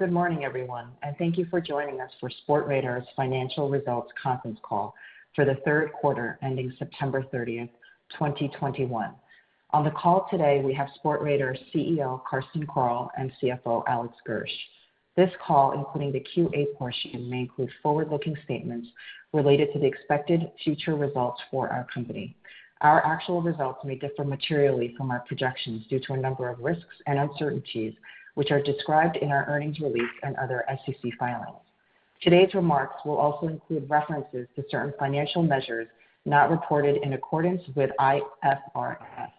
Good morning, everyone, and thank you for joining us for Sportradar's financial results conference call for the third quarter ending September 30th, 2021. On the call today, we have Sportradar CEO, Carsten Koerl, and CFO, Alex Gersh. This call, including the Q&A portion, may include forward-looking statements related to the expected future results for our company. Our actual results may differ materially from our projections due to a number of risks and uncertainties, which are described in our earnings release and other SEC filings. Today's remarks will also include references to certain financial measures not reported in accordance with IFRS.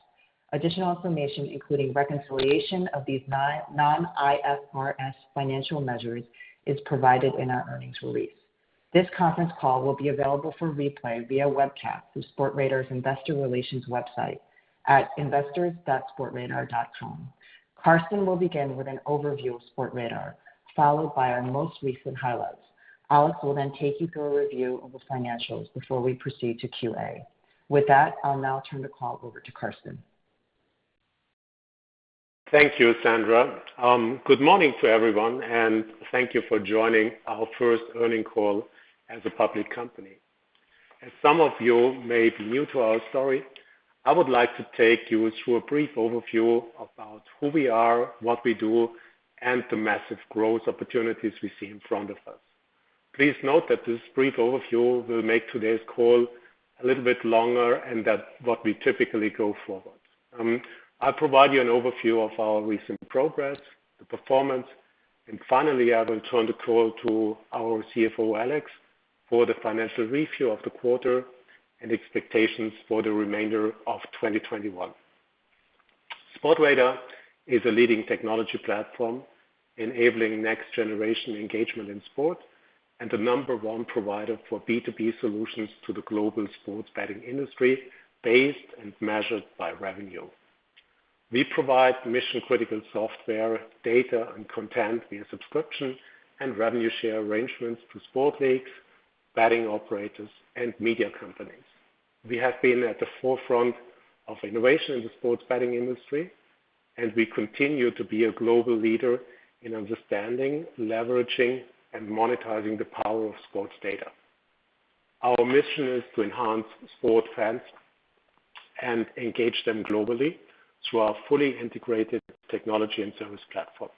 Additional information, including reconciliation of these non-IFRS financial measures, is provided in our earnings release. This conference call will be available for replay via webcast through Sportradar's investor relations website at investors.sportradar.com. Carsten will begin with an overview of Sportradar, followed by our most recent highlights. Alex will then take you through a review of the financials before we proceed to Q&A. With that, I'll now turn the call over to Carsten. Thank you, Sandra. Good morning to everyone, and thank you for joining our first earnings call as a public company. As some of you may be new to our story, I would like to take you through a brief overview about who we are, what we do, and the massive growth opportunities we see in front of us. Please note that this brief overview will make today's call a little bit longer than what we typically do going forward. I'll provide you an overview of our recent progress, the performance, and finally, I will turn the call to our CFO, Alex, for the financial review of the quarter and expectations for the remainder of 2021. Sportradar is a leading technology platform enabling next-generation engagement in sport and the number one provider for B2B solutions to the global sports betting industry based on and measured by revenue. We provide mission-critical software, data, and content via subscription and revenue share arrangements to sports leagues, betting operators, and media companies. We have been at the forefront of innovation in the sports betting industry, and we continue to be a global leader in understanding, leveraging, and monetizing the power of sports data. Our mission is to enhance sports fans and engage them globally through our fully integrated technology and service platform.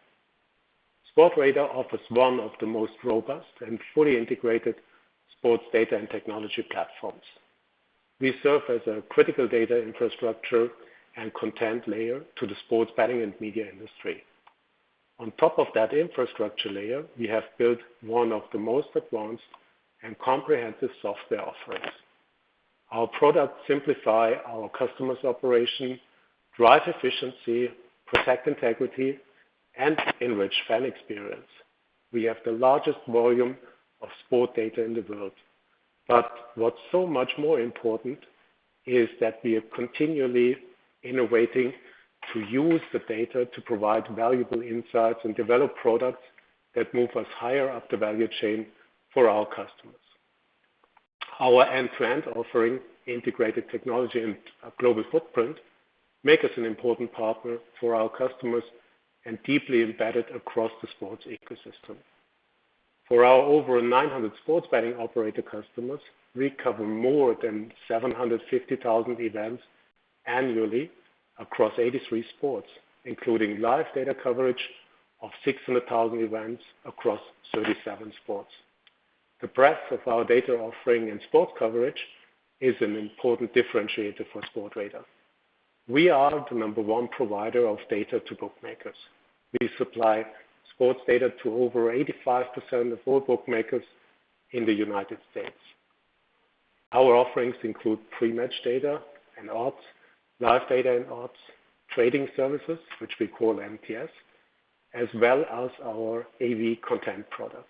Sportradar offers one of the most robust and fully integrated sports data and technology platforms. We serve as a critical data infrastructure and content layer to the sports betting and media industry. On top of that infrastructure layer, we have built one of the most advanced and comprehensive software offerings. Our products simplify our customers' operations, drive efficiency, protect integrity, and enrich fan experience. We have the largest volume of sport data in the world. What's so much more important is that we are continually innovating to use the data to provide valuable insights and develop products that move us higher up the value chain for our customers. Our end-to-end offering, integrated technology, and global footprint make us an important partner for our customers and deeply embedded across the sports ecosystem. For our over 900 sports betting operator customers, we cover more than 750,000 events annually across 83 sports, including live data coverage of 600,000 events across 37 sports. The breadth of our data offering and sports coverage is an important differentiator for Sportradar. We are the number one provider of data to bookmakers. We supply sports data to over 85% of all bookmakers in the United States. Our offerings include pre-match data and odds, live data and odds, trading services, which we call MTS, as well as our AV content products.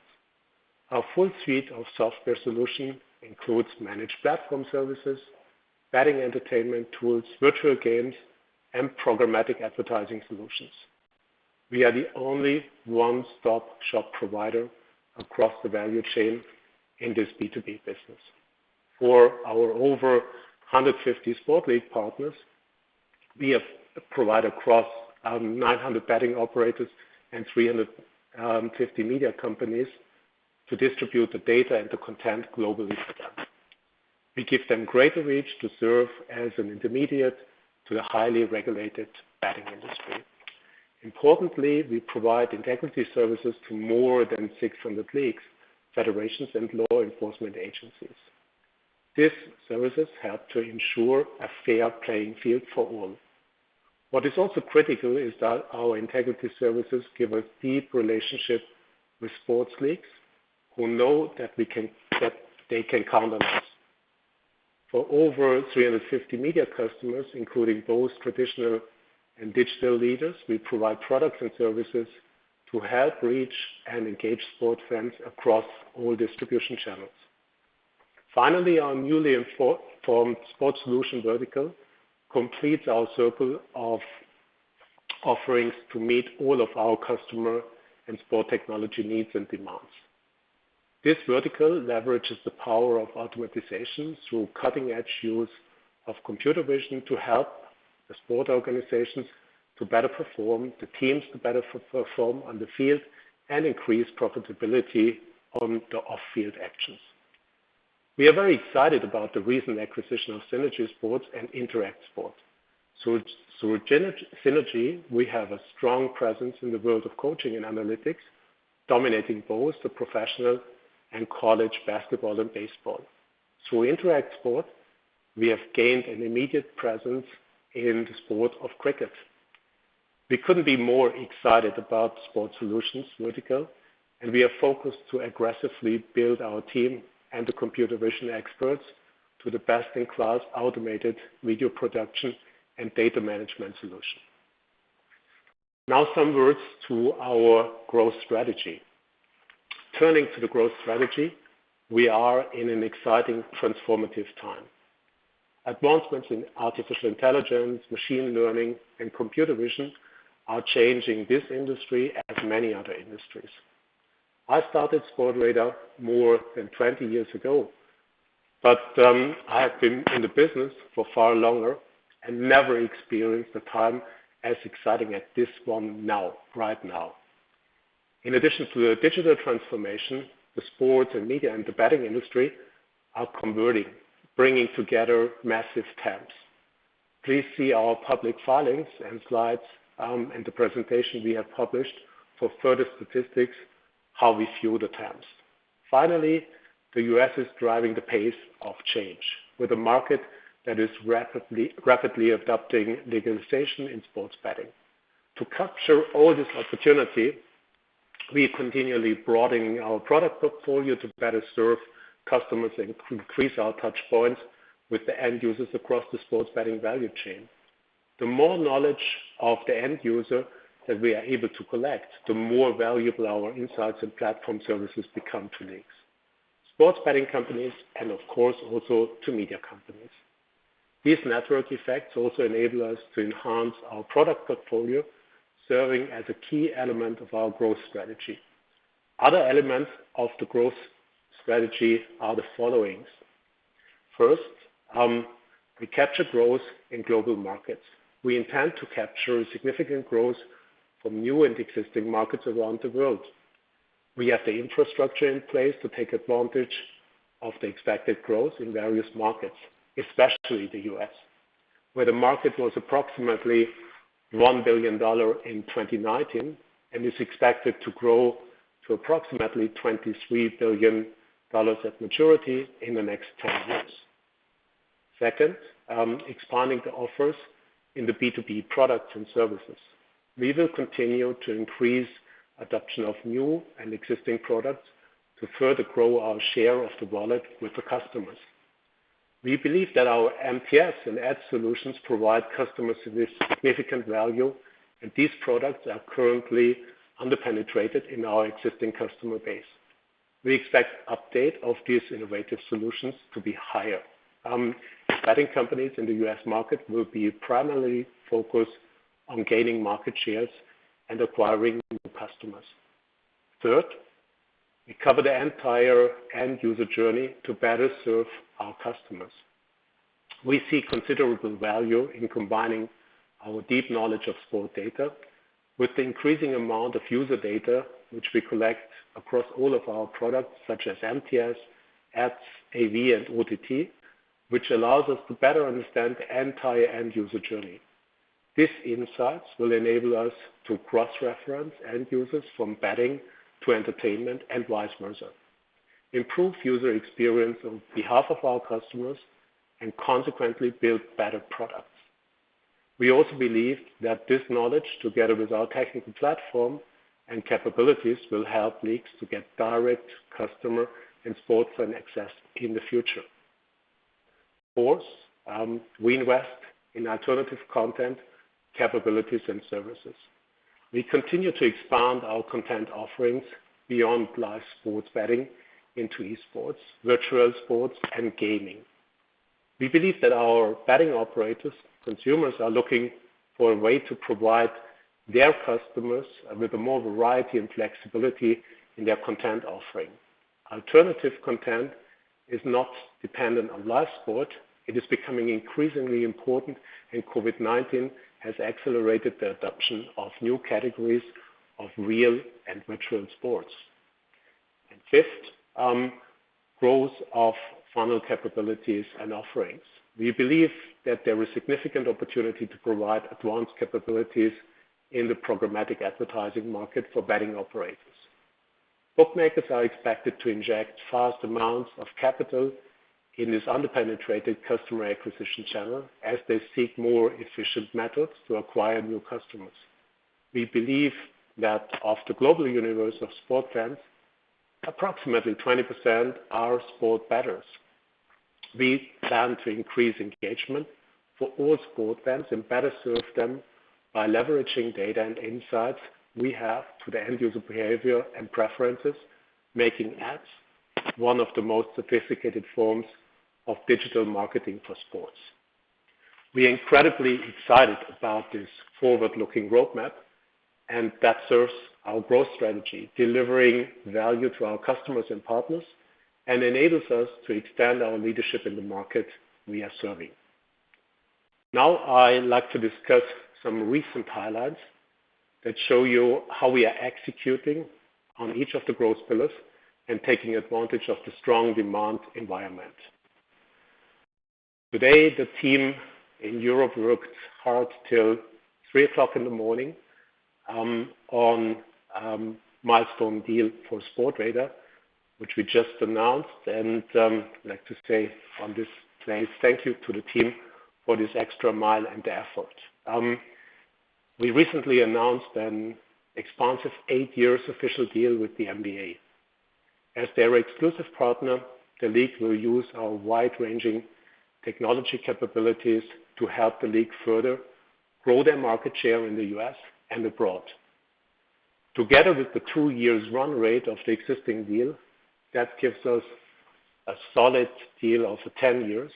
Our full suite of software solution includes managed platform services, betting entertainment tools, virtual games, and programmatic advertising solutions. We are the only one-stop-shop provider across the value chain in this B2B business. For our over 150 sport league partners, we provide across 900 betting operators and 350 media companies to distribute the data and the content globally to them. We give them greater reach to serve as an intermediary to the highly regulated betting industry. Importantly, we provide integrity services to more than 600 leagues, federations, and law enforcement agencies. These services help to ensure a fair playing field for all. What is also critical is that our integrity services give us deep relationship with sports leagues who know that they can count on us. For over 350 media customers, including both traditional and digital leaders, we provide products and services to help reach and engage sports fans across all distribution channels. Finally, our newly formed Sports Solutions vertical completes our circle of offerings to meet all of our customer and sport technology needs and demands. This vertical leverages the power of automation through cutting-edge use of computer vision to help the sport organizations to better perform, the teams to better perform on the field, and increase profitability on the off-field actions. We are very excited about the recent acquisition of Synergy Sports and InteractSport. Through Synergy, we have a strong presence in the world of coaching and analytics, dominating both the professional and college basketball and baseball. Through InteractSport, we have gained an immediate presence in the sport of cricket. We couldn't be more excited about Sports Solutions vertical, and we are focused to aggressively build our team and the computer vision experts to the best-in-class automated video production and data management solution. Now some words to our growth strategy. Turning to the growth strategy, we are in an exciting transformative time. Advancements in artificial intelligence, machine learning, and computer vision are changing this industry as many other industries. I started Sportradar more than 20 years ago, but, I have been in the business for far longer and never experienced the time as exciting as this one now, right now. In addition to the digital transformation, the sports and media and the betting industry are converging, bringing together massive TAMs. Please see our public filings and slides in the presentation we have published for further statistics, how we view the TAMs. Finally, the U.S. is driving the pace of change with a market that is rapidly adopting legalization in sports betting. To capture all this opportunity, we are continually broadening our product portfolio to better serve customers and increase our touch points with the end users across the sports betting value chain. The more knowledge of the end user that we are able to collect, the more valuable our insights and platform services become to leagues, sports betting companies, and of course, also to media companies. These network effects also enable us to enhance our product portfolio, serving as a key element of our growth strategy. Other elements of the growth strategy are the following. First, we capture growth in global markets. We intend to capture significant growth from new and existing markets around the world. We have the infrastructure in place to take advantage of the expected growth in various markets, especially the U.S., where the market was approximately $1 billion in 2019 and is expected to grow to approximately $23 billion at maturity in the next 10 years. Second, expanding the offers in the B2B products and services. We will continue to increase adoption of new and existing products to further grow our share of the wallet with the customers. We believe that our MTS and ad:s provide customers with significant value, and these products are currently underpenetrated in our existing customer base. We expect uptake of these innovative solutions to be higher. Betting companies in the U.S. market will be primarily focused on gaining market shares and acquiring new customers. Third, we cover the entire end user journey to better serve our customers. We see considerable value in combining our deep knowledge of sports data with the increasing amount of user data which we collect across all of our products, such as MTS, ad:s, AV, and OTT, which allows us to better understand the entire end user journey. These insights will enable us to cross-reference end users from betting to entertainment and vice versa, improve user experience on behalf of our customers, and consequently build better products. We also believe that this knowledge, together with our technical platform and capabilities, will help leagues to get direct customer and sports fan access in the future. Fourth, we invest in alternative content, capabilities, and services. We continue to expand our content offerings beyond live sports betting into e-sports, virtual sports, and gaming. We believe that our betting operators consumers are looking for a way to provide their customers with more variety and flexibility in their content offering. Alternative content is not dependent on live sport. It is becoming increasingly important, and COVID-19 has accelerated the adoption of new categories of real and virtual sports. Fifth, growth of funnel capabilities and offerings. We believe that there is significant opportunity to provide advanced capabilities in the programmatic advertising market for betting operators. Bookmakers are expected to inject vast amounts of capital in this underpenetrated customer acquisition channel as they seek more efficient methods to acquire new customers. We believe that of the global universe of sport fans, approximately 20% are sport bettors. We plan to increase engagement for all sport fans and better serve them by leveraging data and insights we have to the end user behavior and preferences, making ads one of the most sophisticated forms of digital marketing for sports. We're incredibly excited about this forward-looking roadmap, and that serves our growth strategy, delivering value to our customers and partners, and enables us to extend our leadership in the market we are serving. Now I'd like to discuss some recent highlights that show you how we are executing on each of the growth pillars and taking advantage of the strong demand environment. Today, the team in Europe worked hard till 3:00 A.M. on a milestone deal for Sportradar, which we just announced, and I'd like to say in this place, thank you to the team for this extra mile and effort. We recently announced an expansive eight-year official deal with the NBA. As their exclusive partner, the league will use our wide-ranging technology capabilities to help the league further grow their market share in the U.S. and abroad. Together with the two years run rate of the existing deal, that gives us a solid deal of 10 years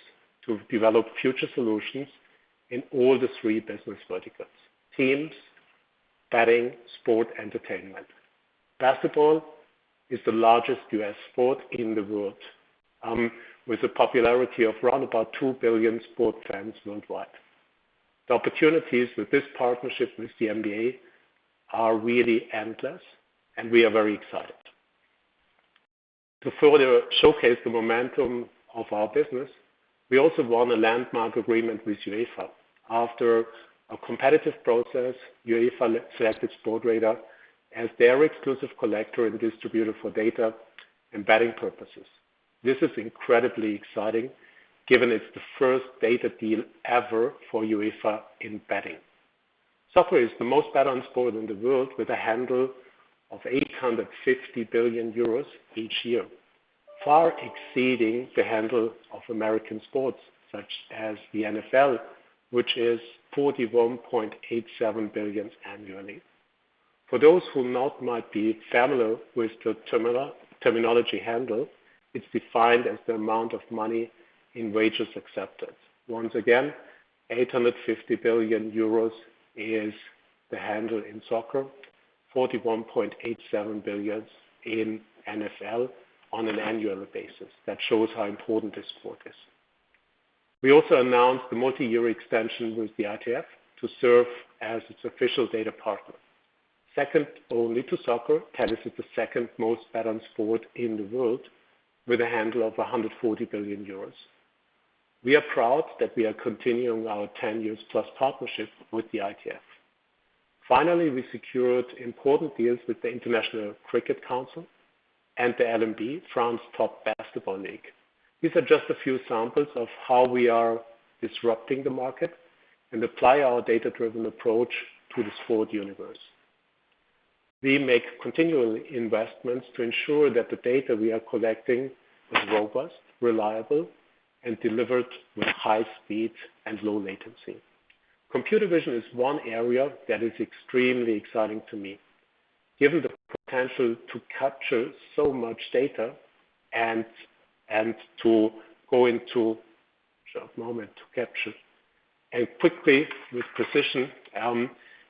to develop future solutions in all the three business verticals, teams, betting, sport entertainment. Basketball is the largest U.S. sport in the world, with a popularity of round about 2 billion sports fans worldwide. The opportunities with this partnership with the NBA are really endless, and we are very excited. To further showcase the momentum of our business, we also won a landmark agreement with UEFA. After a competitive process, UEFA selected Sportradar as their exclusive collector and distributor for data and betting purposes. This is incredibly exciting, given it's the first data deal ever for UEFA in betting. Soccer is the most bet-on sport in the world with a handle of 850 billion euros each year, far exceeding the handle of American sports, such as the NFL, which is $41.87 billion annually. For those who might not be familiar with the terminology handle, it's defined as the amount of money in wagers accepted. Once again, 850 billion euros is the handle in soccer, $41.87 billion in NFL on an annual basis. That shows how important this sport is. We also announced the multi-year extension with the ITF to serve as its official data partner. Second only to soccer, tennis is the second most bet-on sport in the world with a handle of 140 billion euros. We are proud that we are continuing our ten-years-plus partnership with the ITF. Finally, we secured important deals with the International Cricket Council and the LNB, France's top basketball league. These are just a few samples of how we are disrupting the market and apply our data-driven approach to the sport universe. We make continual investments to ensure that the data we are collecting is robust, reliable, and delivered with high speed and low latency. Computer vision is one area that is extremely exciting to me. Given the potential to capture so much data and to capture and quickly with precision,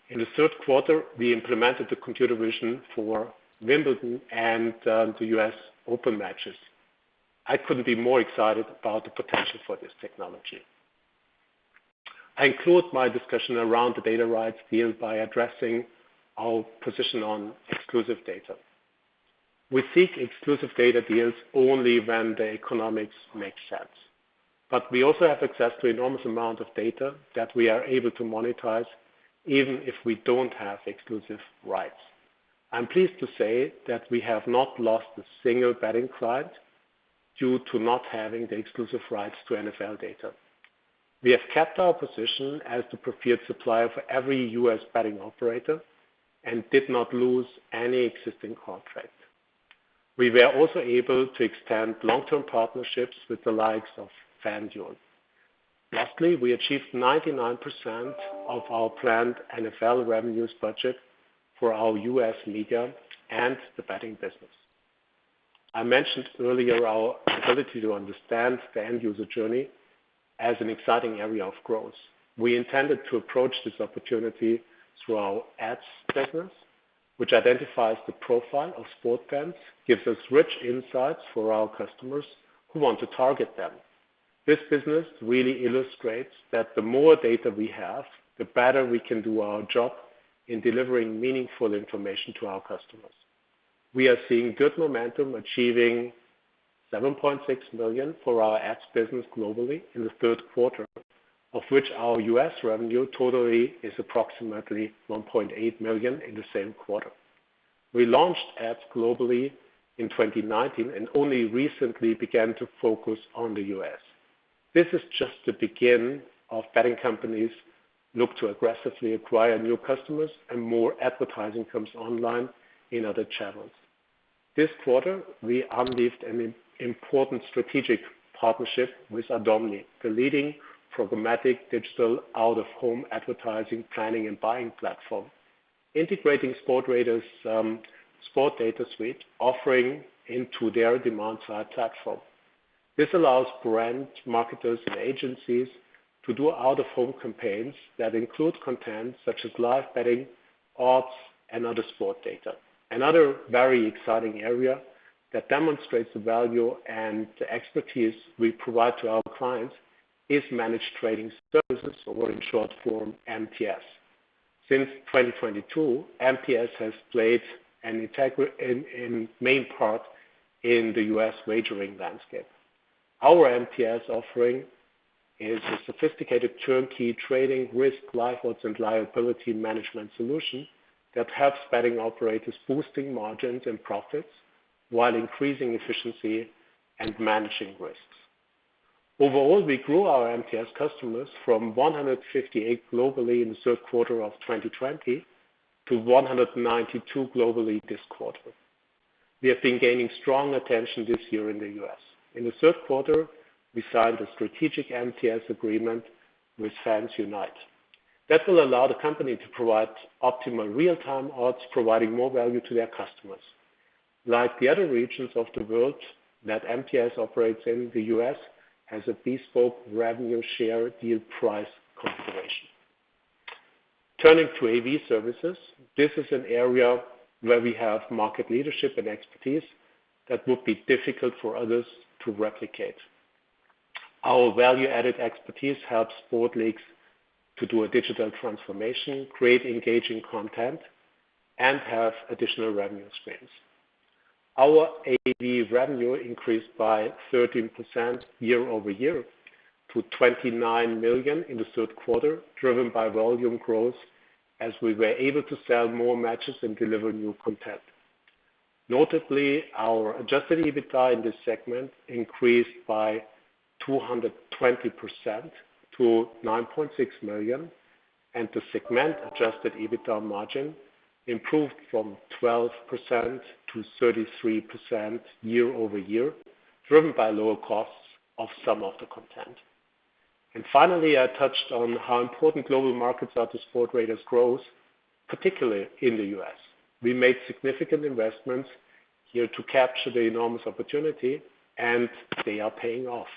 in the third quarter, we implemented the computer vision for Wimbledon and the U.S. Open matches. I couldn't be more excited about the potential for this technology. I include my discussion around the data rights deal by addressing our position on exclusive data. We seek exclusive data deals only when the economics make sense. We also have access to enormous amount of data that we are able to monetize even if we don't have exclusive rights. I'm pleased to say that we have not lost a single betting client due to not having the exclusive rights to NFL data. We have kept our position as the preferred supplier for every U.S. betting operator and did not lose any existing contract. We were also able to extend long-term partnerships with the likes of FanDuel. Lastly, we achieved 99% of our planned NFL revenues budget for our U.S. media and the betting business. I mentioned earlier our ability to understand the end user journey as an exciting area of growth. We intended to approach this opportunity through our ad:s business, which identifies the profile of sport fans, gives us rich insights for our customers who want to target them. This business really illustrates that the more data we have, the better we can do our job in delivering meaningful information to our customers. We are seeing good momentum achieving 7.6 million for our ad:s business globally in the third quarter, of which our U.S. revenue total is approximately 1.8 million in the same quarter. We launched ad:s globally in 2019 and only recently began to focus on the U.S. This is just the beginning as betting companies look to aggressively acquire new customers and more advertising comes online in other channels. This quarter, we unleashed an important strategic partnership with Adomni, the leading programmatic digital out-of-home advertising planning and buying platform, integrating Sportradar's sport data suite offering into their demand-side platform. This allows brand marketers and agencies to do out-of-home campaigns that include content such as live betting, odds, and other sport data. Another very exciting area that demonstrates the value and the expertise we provide to our clients is managed trading services or in short form MTS. Since 2022, MTS has played an integral part in the U.S. wagering landscape. Our MTS offering is a sophisticated turnkey trading, risk, and liability management solution that helps betting operators boosting margins and profits while increasing efficiency and managing risks. Overall, we grew our MTS customers from 158 globally in the third quarter of 2020 to 192 globally this quarter. We have been gaining strong attention this year in the U.S. In the third quarter, we signed a strategic MTS agreement with FansUnite that will allow the company to provide optimal real-time odds, providing more value to their customers. Like the other regions of the world that MTS operates in, the U.S. has a bespoke revenue share deal price configuration. Turning to AV services, this is an area where we have market leadership and expertise that would be difficult for others to replicate. Our value-added expertise helps sports leagues to do a digital transformation, create engaging content, and have additional revenue streams. Our AV revenue increased by 13% year-over-year to 29 million in the third quarter, driven by volume growth as we were able to sell more matches and deliver new content. Notably, our adjusted EBITDA in this segment increased by 220% to 9.6 million, and the segment adjusted EBITDA margin improved from 12% to 33% year-over-year, driven by lower costs of some of the content. Finally, I touched on how important global markets are to Sportradar's growth, particularly in the U.S. We made significant investments here to capture the enormous opportunity, and they are paying off.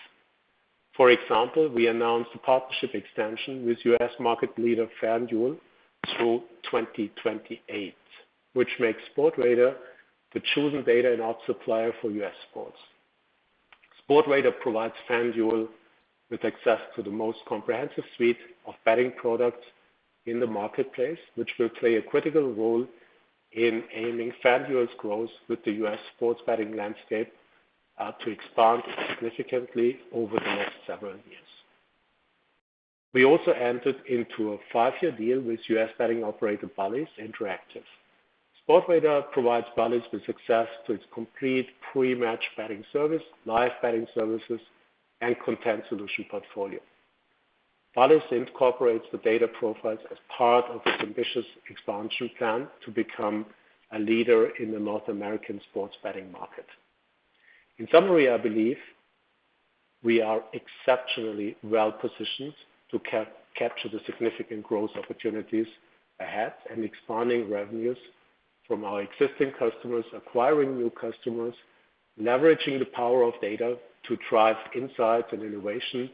For example, we announced a partnership extension with U.S. market leader FanDuel through 2028, which makes Sportradar the chosen data and odds supplier for U.S. sports. Sportradar provides FanDuel with access to the most comprehensive suite of betting products in the marketplace, which will play a critical role in aligning FanDuel's growth with the U.S. sports betting landscape to expand significantly over the next several years. We also entered into a five-year deal with U.S. betting operator Bally's Interactive. Sportradar provides Bally's with access to its complete pre-match betting service, live betting services, and content solution portfolio. Bally's incorporates the data profiles as part of its ambitious expansion plan to become a leader in the North American sports betting market. In summary, I believe we are exceptionally well-positioned to capture the significant growth opportunities ahead and expanding revenues from our existing customers, acquiring new customers, leveraging the power of data to drive insights and innovation,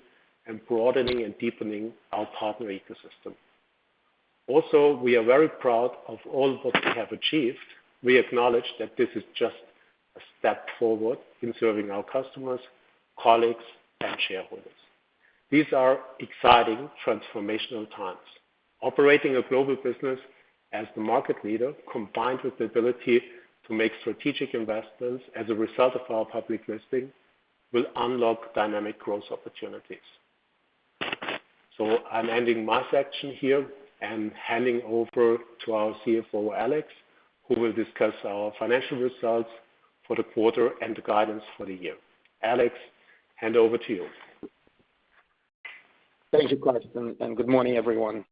and broadening and deepening our partner ecosystem. Also, we are very proud of all what we have achieved. We acknowledge that this is just a step forward in serving our customers, colleagues, and shareholders. These are exciting transformational times. Operating a global business as the market leader, combined with the ability to make strategic investments as a result of our public listing, will unlock dynamic growth opportunities. I'm ending my section here and handing over to our CFO, Alex, who will discuss our financial results for the quarter and the guidance for the year. Alex, hand over to you. Thank you, Carsten, and good morning, everyone.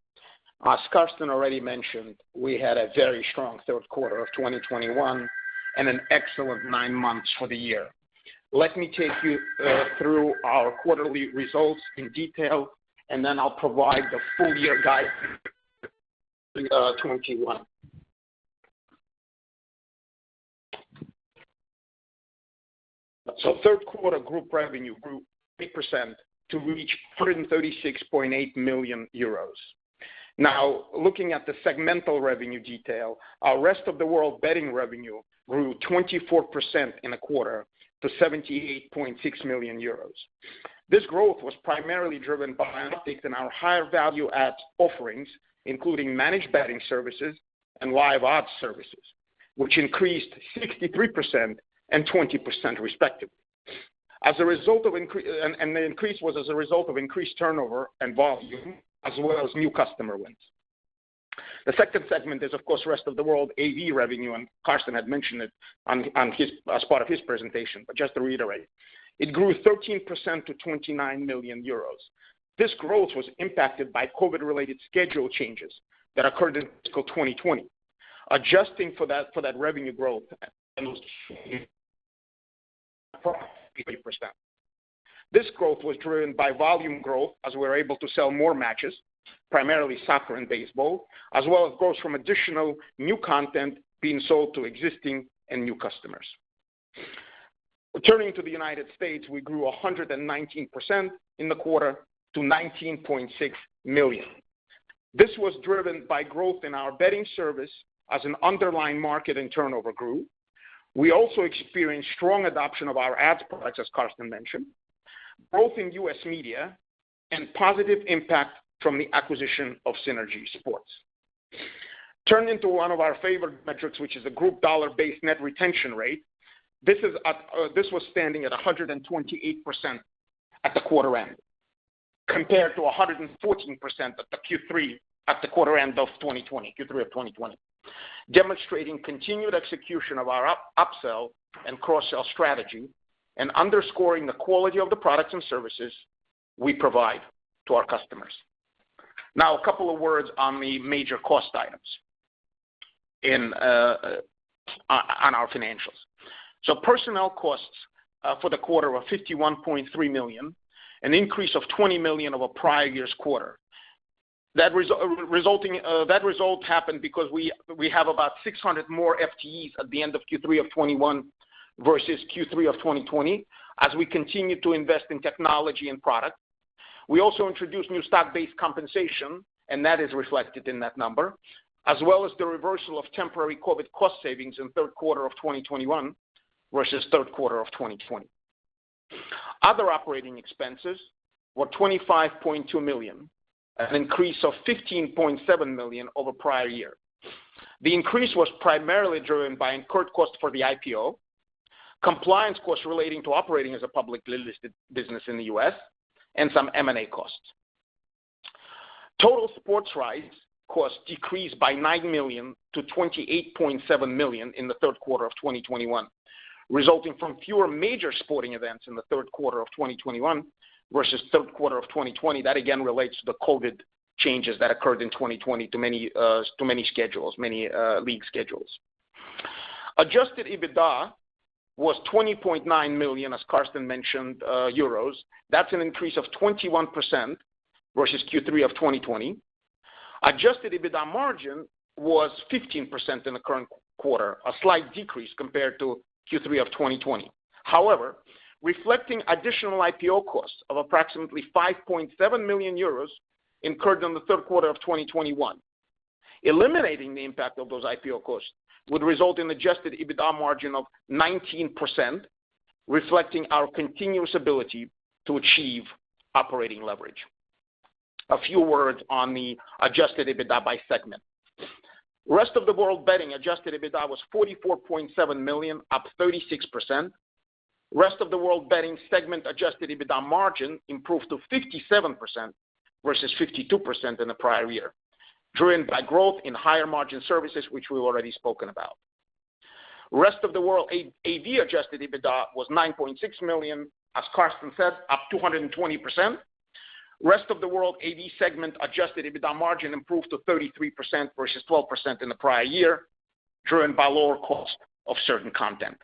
As Carsten already mentioned, we had a very strong third quarter of 2021 and an excellent nine months for the year. Let me take you through our quarterly results in detail, and then I'll provide the full-year guidance for 2021. Third quarter group revenue grew 30% to reach 136.8 million euros. Now looking at the segmental revenue detail, our rest of the world betting revenue grew 24% in a quarter to 78.6 million euros. This growth was primarily driven by an uptick in our higher value-add offerings, including managed betting services and live odds services, which increased 63% and 20%, respectively. As a result, the increase was as a result of increased turnover and volume as well as new customer wins. The second segment is of course rest of the world AV revenue, and Carsten had mentioned it as part of his presentation. Just to reiterate, it grew 13% to 29 million euros. This growth was impacted by COVID-related schedule changes that occurred in fiscal 2020. Adjusting for that revenue growth and those changes from 50%. This growth was driven by volume growth as we're able to sell more matches, primarily soccer and baseball, as well as growth from additional new content being sold to existing and new customers. Turning to the United States, we grew 119% in the quarter to 19.6 million. This was driven by growth in our betting service as an underlying market and turnover grew. We also experienced strong adoption of our ads products, as Carsten mentioned, both in U.S. media and positive impact from the acquisition of Synergy Sports. Turning to one of our favorite metrics, which is a group dollar-based net retention rate. This was standing at 128% at the quarter end, compared to 114% at the Q3 at the quarter end of 2020. Demonstrating continued execution of our upsell and cross-sell strategy and underscoring the quality of the products and services we provide to our customers. Now, a couple of words on the major cost items on our financials. Personnel costs for the quarter were 51.3 million, an increase of 20 million over prior year's quarter. That result happened because we have about 600 more FTEs at the end of Q3 2021 versus Q3 2020, as we continue to invest in technology and product. We also introduced new stock-based compensation, and that is reflected in that number, as well as the reversal of temporary COVID cost savings in third quarter of 2021 versus third quarter of 2020. Other operating expenses were 25.2 million, an increase of 15.7 million over prior year. The increase was primarily driven by incurred costs for the IPO, compliance costs relating to operating as a publicly listed business in the U.S., and some M&A costs. Total sports rights costs decreased by 9 million to 28.7 million in the third quarter of 2021, resulting from fewer major sporting events in the third quarter of 2021 versus third quarter of 2020. That again relates to the COVID changes that occurred in 2020 to many schedules, many league schedules. Adjusted EBITDA was 20.9 million, as Carsten mentioned, euros. That's an increase of 21% versus Q3 of 2020. Adjusted EBITDA margin was 15% in the current quarter, a slight decrease compared to Q3 of 2020. However, reflecting additional IPO costs of approximately 5.7 million euros incurred in the third quarter of 2021. Eliminating the impact of those IPO costs would result in adjusted EBITDA margin of 19%, reflecting our continuous ability to achieve operating leverage. A few words on the adjusted EBITDA by segment. Rest of the World betting adjusted EBITDA was 44.7 million, up 36%. Rest of the World betting segment adjusted EBITDA margin improved to 57% versus 52% in the prior year, driven by growth in higher margin services, which we've already spoken about. Rest of the World AV adjusted EBITDA was 9.6 million, as Carsten said, up 220%. Rest of the World AV segment adjusted EBITDA margin improved to 33% versus 12% in the prior year, driven by lower cost of certain content.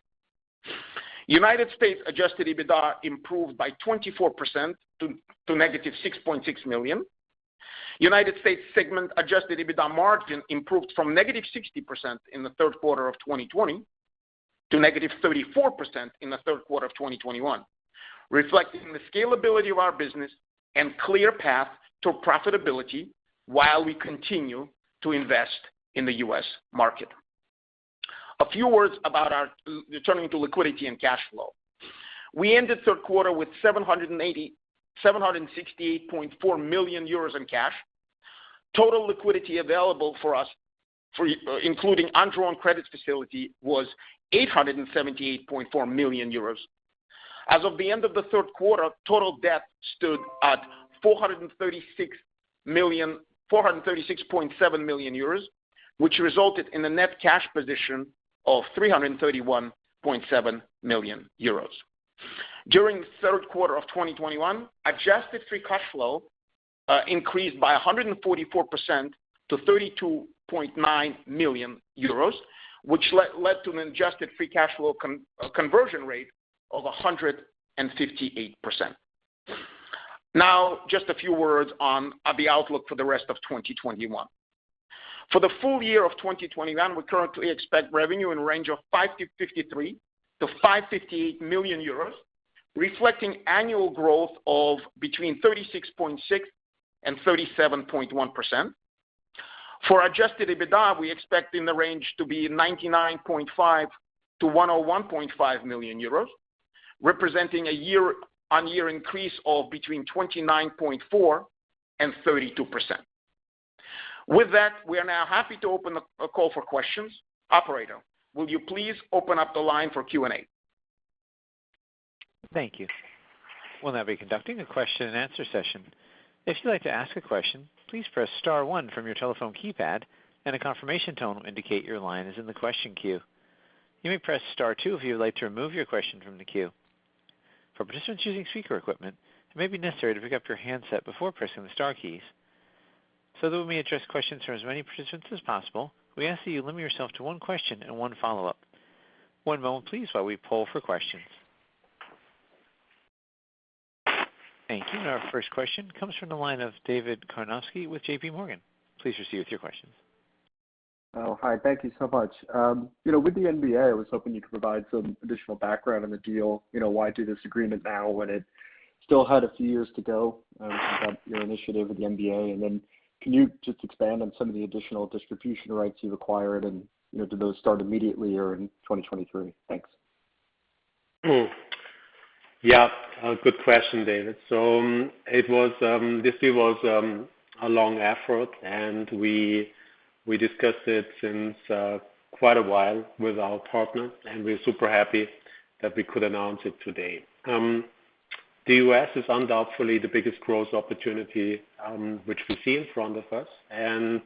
United States adjusted EBITDA improved by 24% to -6.6 million. United States segment adjusted EBITDA margin improved from -60% in the third quarter of 2020 to -34% in the third quarter of 2021, reflecting the scalability of our business and clear path to profitability while we continue to invest in the U.S. market. Turning to liquidity and cash flow. We ended third quarter with 768.4 million euros in cash. Total liquidity available for us, including undrawn credit facility, was 878.4 million euros. As of the end of the third quarter, total debt stood at 436.7 million euros, which resulted in a net cash position of 331.7 million euros. During the third quarter of 2021, adjusted free cash flow increased by 144% to 32.9 million euros, which led to an adjusted free cash flow conversion rate of 158%. Now, just a few words on the outlook for the rest of 2021. For the full year of 2021, we currently expect revenue in range of 553 million-558 million euros, reflecting annual growth of between 36.6% and 37.1%. For adjusted EBITDA, we expect in the range to be 99.5 million-101.5 million euros, representing a year-on-year increase of between 29.4% and 32%. With that, we are now happy to open up a call for questions. Operator, will you please open up the line for Q&A? Thank you. We'll now be conducting a question and answer session. If you'd like to ask a question, please press star one from your telephone keypad and a confirmation tone will indicate your line is in the question queue. You may press star two if you would like to remove your question from the queue. For participants using speaker equipment, it may be necessary to pick up your handset before pressing the star keys. So that we may address questions from as many participants as possible, we ask that you limit yourself to one question and one follow-up. One moment please, while we poll for questions. Thank you. Our first question comes from the line of David Karnovsky with JPMorgan. Please proceed with your questions. Oh, hi. Thank you so much. You know, with the NBA, I was hoping you could provide some additional background on the deal. You know, why do this agreement now when it still had a few years to go, your initiative with the NBA? Can you just expand on some of the additional distribution rights you've acquired and, you know, do those start immediately or in 2023? Thanks. Yeah, a good question, David. This deal was a long effort, and we discussed it since quite a while with our partner, and we're super happy that we could announce it today. The U.S. is undoubtedly the biggest growth opportunity, which we see in front of us, and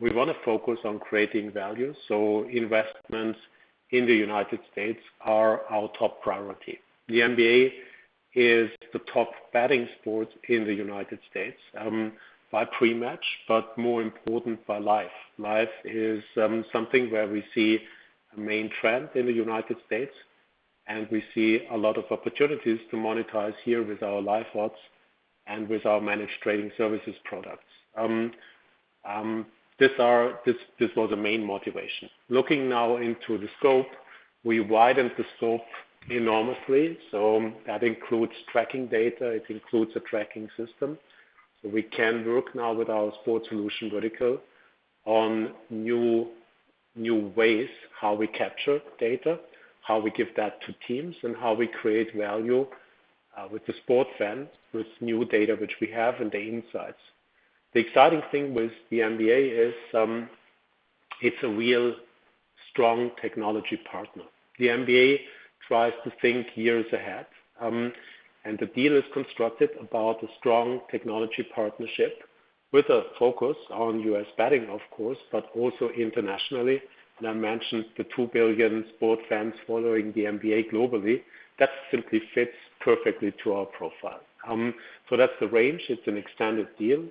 we want to focus on creating value, so investments in the United States are our top priority. The NBA is the top betting sport in the United States by pre-match, but more important, by live. Live is something where we see a main trend in the United States, and we see a lot of opportunities to monetize here with our live odds and with our managed trading services products. This was the main motivation. Looking now into the scope, we widened the scope enormously, so that includes tracking data. It includes a tracking system, so we can work now with our Sports Solutions vertical on new ways how we capture data, how we give that to teams, and how we create value with the sports fans, with new data which we have and the insights. The exciting thing with the NBA is, it's a real strong technology partner. The NBA tries to think years ahead, and the deal is constructed about a strong technology partnership with a focus on U.S. betting of course, but also internationally. I mentioned the 2 billion sport fans following the NBA globally. That simply fits perfectly to our profile. That's the range. It's an extended deal,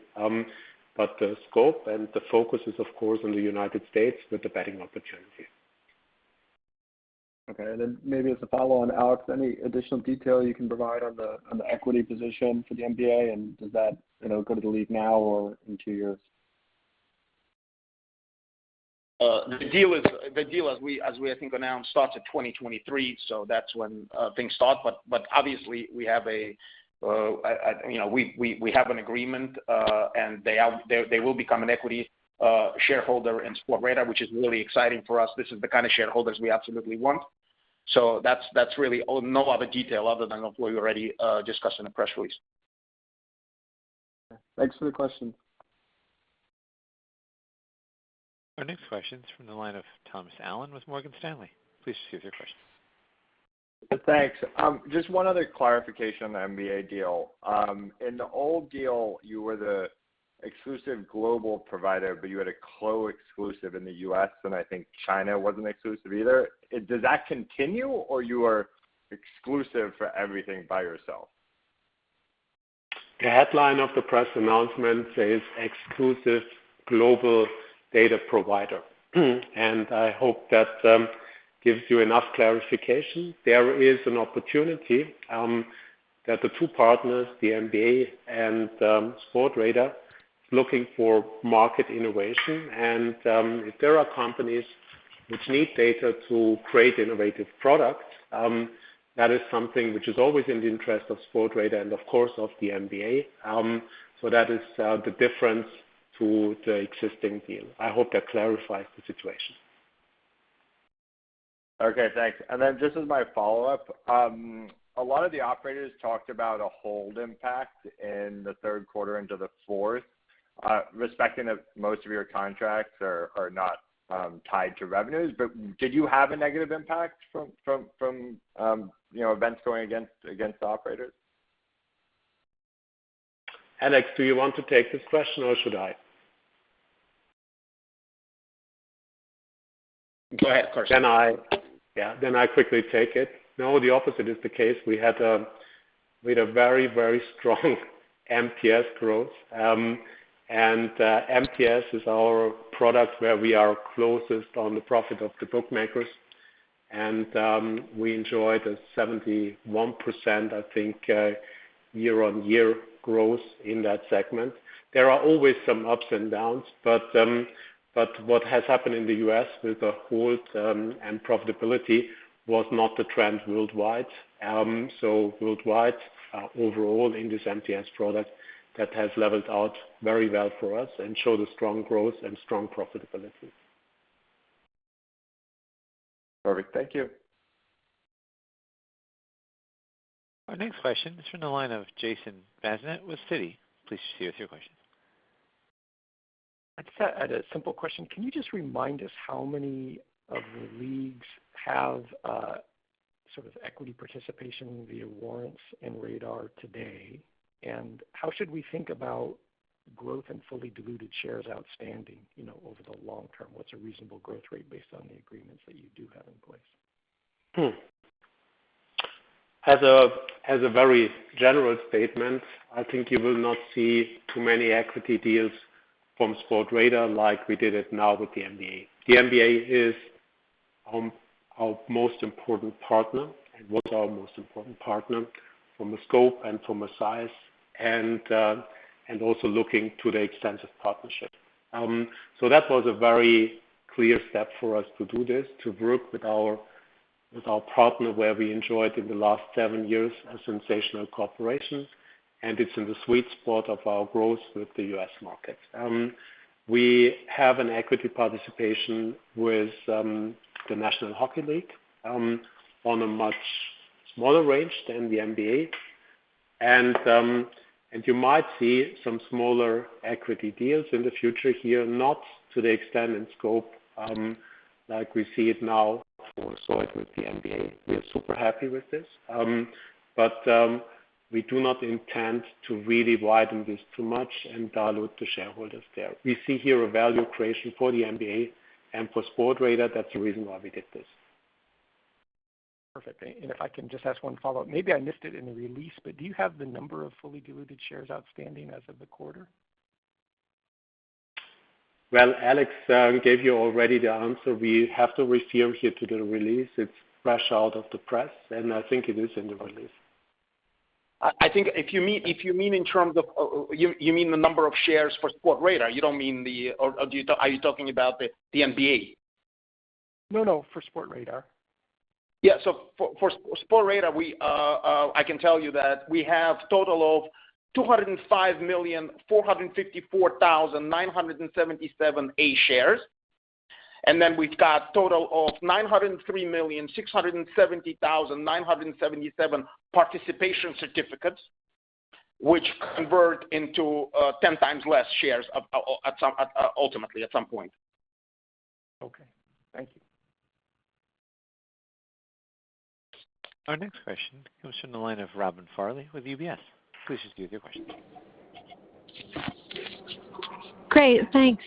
but the scope and the focus is of course on the United States with the betting opportunity. Okay. Maybe as a follow on, Alex, any additional detail you can provide on the equity position for the NBA, and does that, you know, go to the league now or in two years? The deal as we I think announced starts at 2023, so that's when things start. Obviously you know we have an agreement, and they will become an equity shareholder in Sportradar, which is really exciting for us. This is the kind of shareholders we absolutely want. That's really all, no other detail other than what we already discussed in the press release. Thanks for the question. Our next question is from the line of Thomas Allen with Morgan Stanley. Please proceed with your question. Thanks. Just one other clarification on the NBA deal. In the old deal, you were the exclusive global provider, but you had a co-exclusive in the U.S., and I think China wasn't exclusive either. Does that continue, or you are exclusive for everything by yourself? The headline of the press announcement says exclusive global data provider, and I hope that gives you enough clarification. There is an opportunity that the two partners, the NBA and Sportradar, looking for market innovation. If there are companies which need data to create innovative products, that is something which is always in the interest of Sportradar and of course of the NBA. That is the difference to the existing deal. I hope that clarifies the situation. Okay, thanks. Just as my follow-up, a lot of the operators talked about a hold impact in the third quarter into the fourth, respecting that most of your contracts are not tied to revenues. Did you have a negative impact from you know, events going against the operators? Alex, do you want to take this question, or should I? Go ahead, of course. I quickly take it. No, the opposite is the case. We had a very, very strong MTS growth. MTS is our product where we are closest on the profit of the bookmakers. We enjoyed a 71%, I think, year-on-year growth in that segment. There are always some ups and downs, but what has happened in the U.S. with the hold and profitability was not the trend worldwide. Worldwide, overall in this MTS product, that has leveled out very well for us and showed a strong growth and strong profitability. Perfect. Thank you. Our next question is from the line of Jason Bazinet with Citi. Please proceed with your question. I just had a simple question. Can you just remind us how many of the leagues have sort of equity participation via warrants in Sportradar today? And how should we think about growth in fully diluted shares outstanding, you know, over the long term? What's a reasonable growth rate based on the agreements that you do have in place? Very general statement, I think you will not see too many equity deals from Sportradar like we did it now with the NBA. The NBA is our most important partner, and was our most important partner from the scope and from the size and also looking to the extensive partnership. That was a very clear step for us to do this, to work with our partner, where we enjoyed in the last seven years a sensational cooperation, and it's in the sweet spot of our growth with the U.S. market. We have an equity participation with the National Hockey League on a much smaller range than the NBA. You might see some smaller equity deals in the future here, not to the extent and scope, like we see it now or saw it with the NBA. We are super happy with this. We do not intend to really widen this too much and dilute the shareholders there. We see here a value creation for the NBA and for Sportradar. That's the reason why we did this. Perfect. If I can just ask one follow-up, maybe I missed it in the release, but do you have the number of fully diluted shares outstanding as of the quarter? Well, Alex gave you already the answer. We have to refer here to the release. It's fresh out of the press, and I think it is in the release. I think if you mean in terms of, you mean the number of shares for Sportradar. You don't mean the. Or do you? Are you talking about the NBA? No, no, for Sportradar. Yeah. For Sportradar, I can tell you that we have total of 205,454,977 A shares. We've got total of 903,670,977 participation certificates, which convert into ten times less shares at some ultimately at some point. Okay. Thank you. Our next question comes from the line of Robin Farley with UBS. Please just give your question. Great. Thanks.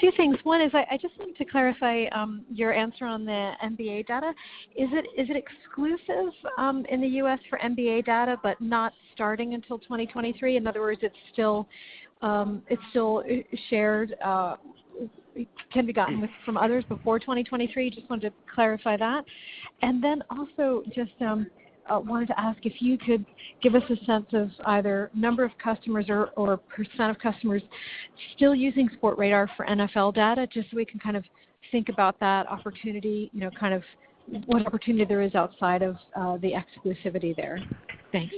Two things. One is I just wanted to clarify your answer on the NBA data. Is it exclusive in the U.S. for NBA data, but not starting until 2023? In other words, it's still shared, it can be gotten with some others before 2023? Just wanted to clarify that. Then also just wanted to ask if you could give us a sense of either number of customers or percent of customers still using Sportradar for NFL data, just so we can kind of think about that opportunity, you know, kind of what opportunity there is outside of the exclusivity there. Thanks.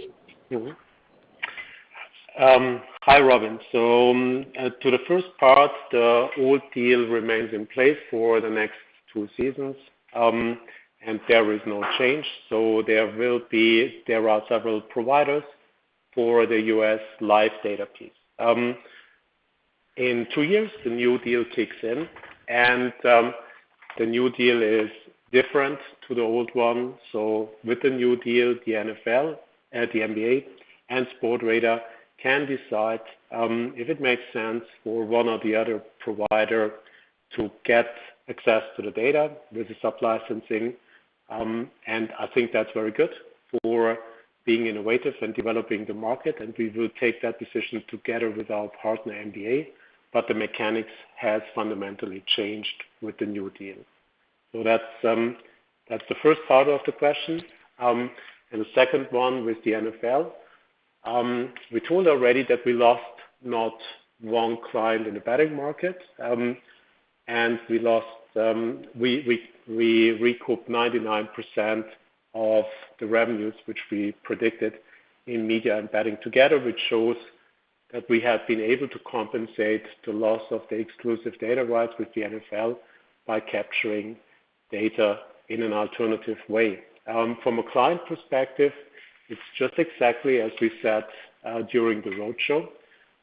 Hi, Robyn. To the first part, the old deal remains in place for the next two seasons, and there is no change. There are several providers for the U.S. live data piece. In two years, the new deal kicks in, and the new deal is different to the old one. With the new deal, the NFL, the NBA and Sportradar can decide if it makes sense for one or the other provider to get access to the data with the sub-licensing. I think that's very good for being innovative and developing the market, and we will take that decision together with our partner, NBA. The mechanics has fundamentally changed with the new deal. That's the first part of the question. The second one with the NFL, we told already that we lost not one client in the betting market, and we recouped 99% of the revenues which we predicted in media and betting together, which shows that we have been able to compensate the loss of the exclusive data rights with the NFL by capturing data in an alternative way. From a client perspective, it's just exactly as we said during the roadshow,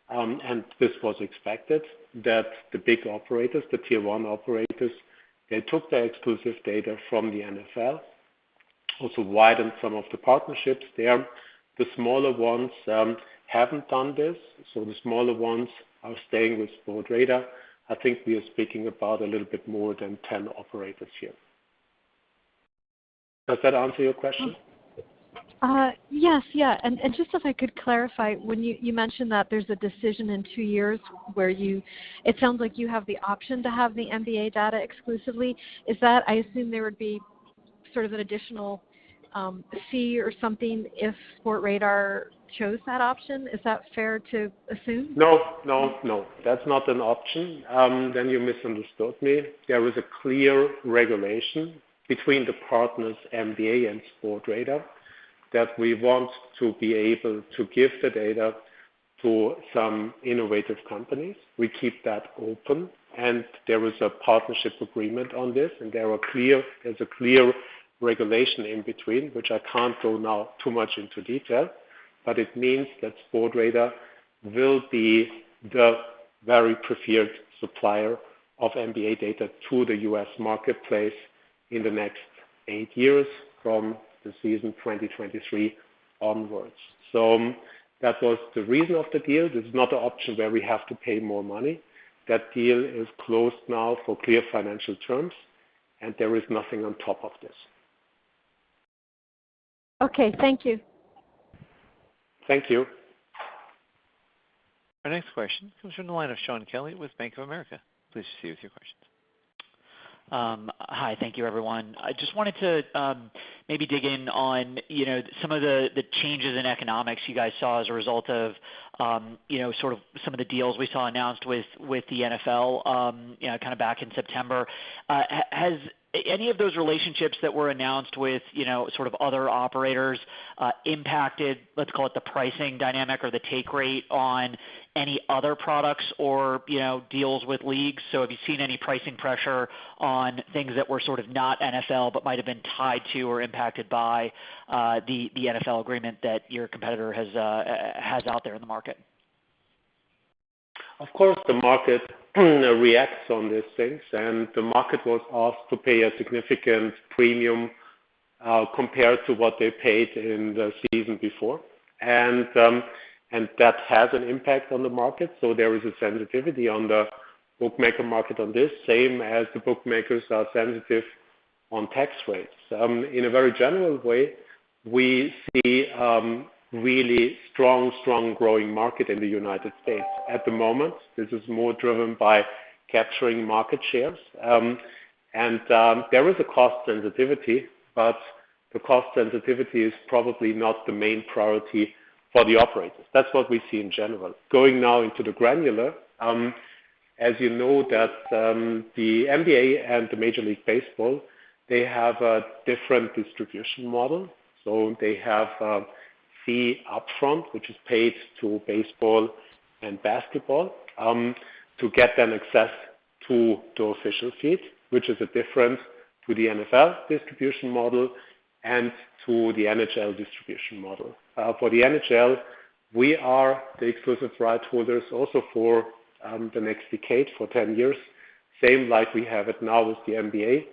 and this was expected, that the big operators, the tier one operators, they took the exclusive data from the NFL, also widened some of the partnerships there. The smaller ones haven't done this, so the smaller ones are staying with Sportradar. I think we are speaking about a little bit more than 10 operators here. Does that answer your question? Yes. Just if I could clarify, when you mentioned that there's a decision in two years where you, it sounds like you have the option to have the NBA data exclusively. Is that, I assume there would be sort of an additional fee or something if Sportradar chose that option? Is that fair to assume? No, no. That's not an option. You misunderstood me. There was a clear regulation between the partners, NBA and Sportradar, that we want to be able to give the data to some innovative companies. We keep that open and there is a partnership agreement on this, and there's a clear regulation in between which I can't go into too much detail now, but it means that Sportradar will be the very preferred supplier of NBA data to the U.S. marketplace in the next eight years from the season 2023 onwards. That was the reason of the deal. This is not an option where we have to pay more money. That deal is closed now for clear financial terms, and there is nothing on top of this. Okay, thank you. Thank you. Our next question comes from the line of Shaun Kelley with Bank of America. Please proceed with your questions. Hi. Thank you, everyone. I just wanted to maybe dig in on, you know, some of the changes in economics you guys saw as a result of, you know, sort of some of the deals we saw announced with the NFL, you know, kind of back in September. Has any of those relationships that were announced with, you know, sort of other operators, impacted, let's call it, the pricing dynamic or the take rate on any other products or, you know, deals with leagues? Have you seen any pricing pressure on things that were sort of not NFL but might have been tied to or impacted by the NFL agreement that your competitor has out there in the market? Of course, the market reacts on these things, and the market was asked to pay a significant premium compared to what they paid in the season before. That has an impact on the market, so there is a sensitivity on the bookmaker market on this, same as the bookmakers are sensitive on tax rates. In a very general way, we see really strong growing market in the United States. At the moment, this is more driven by capturing market shares. There is a cost sensitivity, but the cost sensitivity is probably not the main priority for the operators. That's what we see in general. Going now into the granular, as you know that the NBA and the Major League Baseball have a different distribution model. They have a fee up front, which is paid to baseball and basketball, to get them access to the official feed, which is a difference to the NFL distribution model and to the NHL distribution model. For the NHL, we are the exclusive rights holders also for the next decade, for 10 years, same like we have it now with the NBA.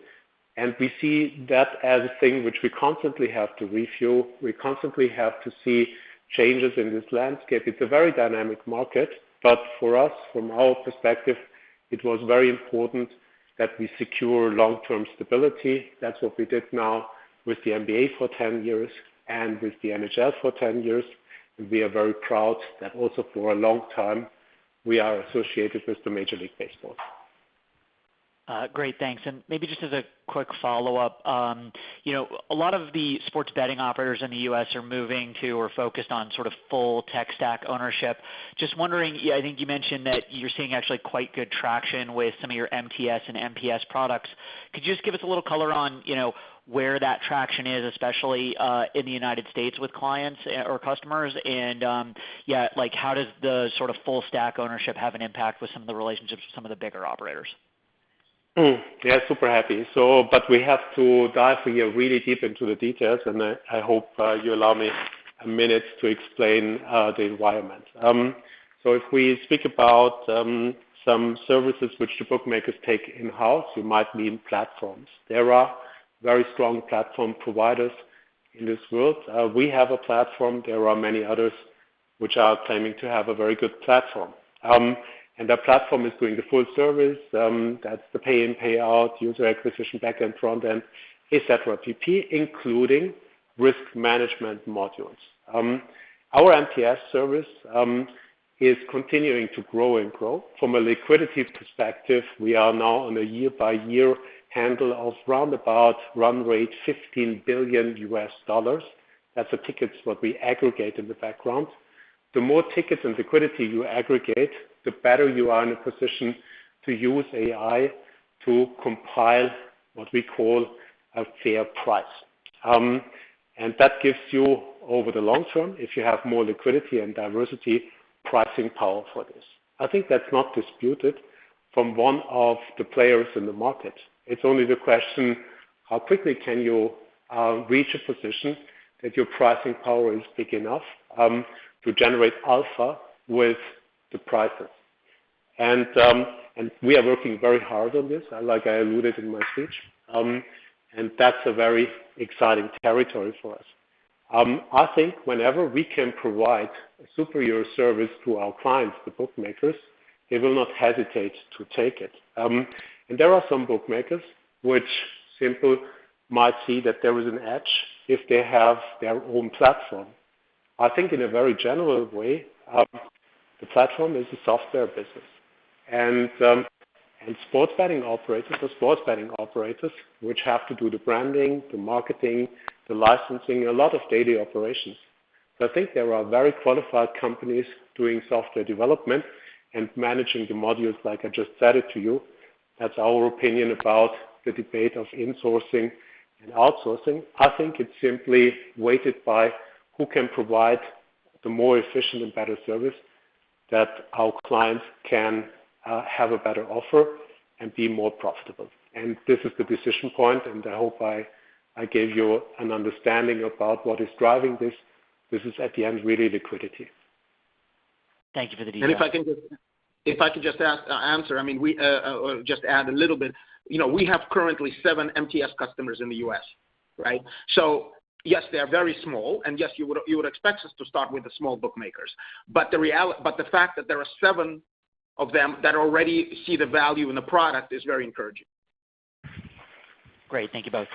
We see that as a thing which we constantly have to review. We constantly have to see changes in this landscape. It's a very dynamic market. For us, from our perspective, it was very important that we secure long-term stability. That's what we did now with the NBA for 10 years and with the NHL for 10 years. We are very proud that also for a long time we are associated with the Major League Baseball. Great. Thanks. Maybe just as a quick follow-up, you know, a lot of the sports betting operators in the U.S. are moving to or focused on sort of full tech stack ownership. Just wondering, I think you mentioned that you're seeing actually quite good traction with some of your MTS and MPS products. Could you just give us a little color on, you know, where that traction is, especially in the United States with clients or customers? Yeah, like, how does the sort of full stack ownership have an impact with some of the relationships with some of the bigger operators? Yeah, super happy. We have to dive here really deep into the details, and I hope you allow me a minute to explain the environment. If we speak about some services which the bookmakers take in-house, you might mean platforms. There are very strong platform providers in this world. We have a platform. There are many others which are claiming to have a very good platform. That platform is doing the full service, that's the pay in, pay out, user acquisition, back-end, front-end, et cetera, PP, including risk management modules. Our MTS service is continuing to grow and grow. From a liquidity perspective, we are now on a year-by-year handle of round about run rate $15 billion. That's the tickets what we aggregate in the background. The more tickets and liquidity you aggregate, the better you are in a position to use AI to compile what we call a fair price. That gives you, over the long term, if you have more liquidity and diversity, pricing power for this. I think that's not disputed from one of the players in the market. It's only the question, how quickly can you reach a position that your pricing power is big enough to generate alpha with the prices? We are working very hard on this, like I alluded in my speech. That's a very exciting territory for us. I think whenever we can provide a superior service to our clients, the bookmakers, they will not hesitate to take it. There are some bookmakers which simply might see that there is an edge if they have their own platform. I think in a very general way, the platform is a software business, and sports betting operators are sports betting operators which have to do the branding, the marketing, the licensing, a lot of daily operations. I think there are very qualified companies doing software development and managing the modules like I just said it to you. That's our opinion about the debate of insourcing and outsourcing. I think it's simply weighted by who can provide the more efficient and better service that our clients can have a better offer and be more profitable. This is the decision point, and I hope I gave you an understanding about what is driving this. This is at the end, really liquidity. Thank you for the detail. If I can just add a little bit, you know, we have currently seven MTS customers in the U.S., right? So yes, they are very small, and yes, you would expect us to start with the small bookmakers. But the fact that there are seven of them that already see the value in the product is very encouraging. Great. Thank you both.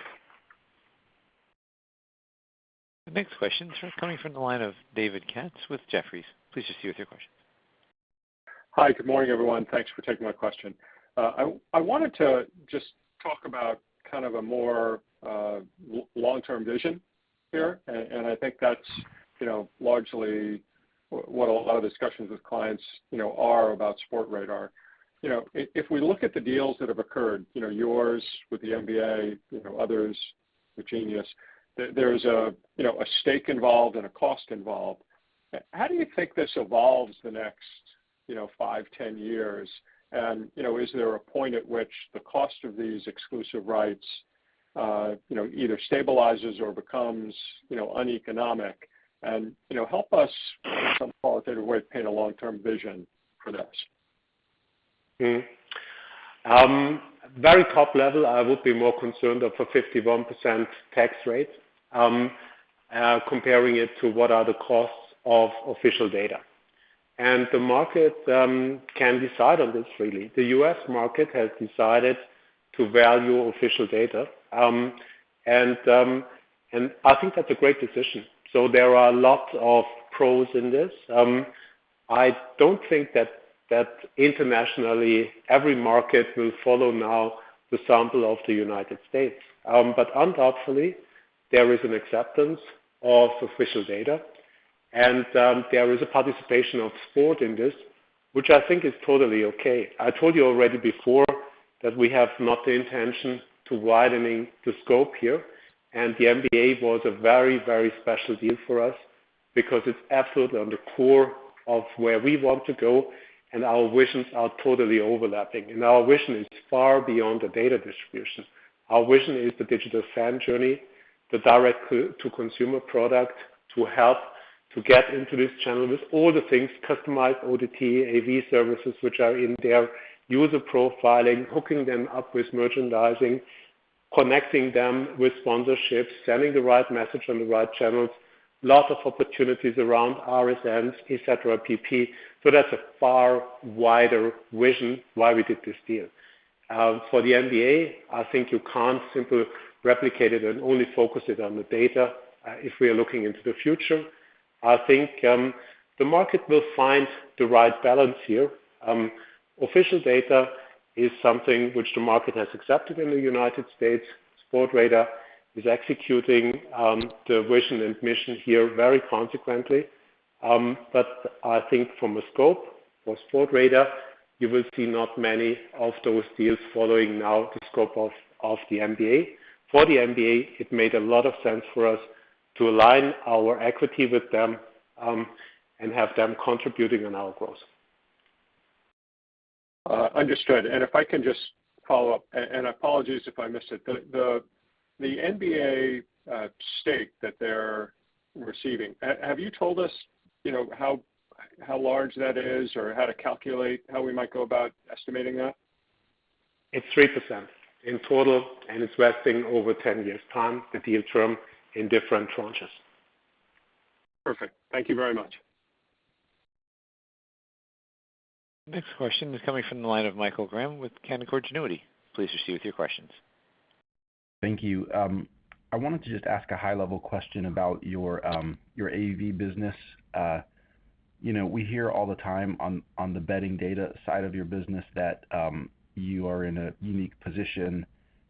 The next question is coming from the line of David Katz with Jefferies. Please proceed with your question. Hi, good morning, everyone. Thanks for taking my question. I wanted to just talk about kind of a more long-term vision here, and I think that's, you know, largely what a lot of discussions with clients, you know, are about Sportradar. You know, if we look at the deals that have occurred, you know, yours with the NBA, you know, others with Genius, there's a, you know, a stake involved and a cost involved. How do you think this evolves the next, you know, five, 10 years? And, you know, is there a point at which the cost of these exclusive rights, you know, either stabilizes or becomes, you know, uneconomic? And, you know, help us in some qualitative way paint a long-term vision for this. Very top level, I would be more concerned of a 51% tax rate, comparing it to what are the costs of official data. The market can decide on this really. The U.S. market has decided to value official data. I think that's a great decision. There are lots of pros in this. I don't think that internationally every market will follow now the example of the United States. Undoubtedly, there is an acceptance of official data and there is a participation of sport in this, which I think is totally okay. I told you already before that we have not the intention to widening the scope here, and the NBA was a very, very special deal for us because it's absolutely on the core of where we want to go, and our visions are totally overlapping. Our vision is far beyond the data distribution. Our vision is the digital fan journey, the direct-to-consumer product to help to get into this channel with all the things, customized OTT, AV services which are in there, user profiling, hooking them up with merchandising, connecting them with sponsorships, sending the right message on the right channels, lots of opportunities around RSMs, et cetera, PP. That's a far wider vision why we did this deal. For the NBA, I think you can't simply replicate it and only focus it on the data, if we are looking into the future. I think, the market will find the right balance here. Official data is something which the market has accepted in the United States. Sportradar is executing the vision and mission here very consistently. But I think from a scope for Sportradar, you will see not many of those deals following now the scope of the NBA. For the NBA, it made a lot of sense for us to align our equity with them, and have them contributing on our growth. Understood. If I can just follow up, apologies if I missed it. The NBA stake that they're receiving, have you told us, you know, how large that is or how to calculate, how we might go about estimating that? It's 3% in total, and it's vesting over 10 years' time, the deal term, in different tranches. Perfect. Thank you very much. Next question is coming from the line of Michael Graham with Canaccord Genuity. Please proceed with your questions. Thank you. I wanted to just ask a high-level question about your AV business. You know, we hear all the time on the betting data side of your business that you are in a unique position,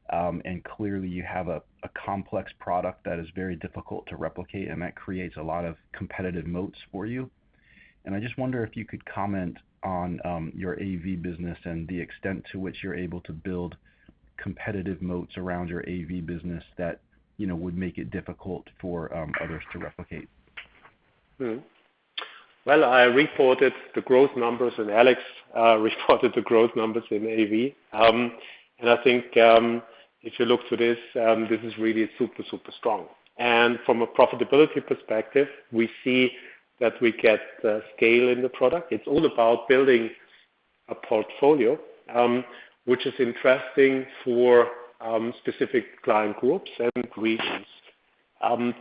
and clearly you have a complex product that is very difficult to replicate and that creates a lot of competitive moats for you. I just wonder if you could comment on your AV business and the extent to which you're able to build competitive moats around your AV business that, you know, would make it difficult for others to replicate. I reported the growth numbers and Alex reported the growth numbers in ARR. I think if you look at this is really super strong. From a profitability perspective, we see that we get the scale in the product. It's all about building a portfolio, which is interesting for specific client groups and regions.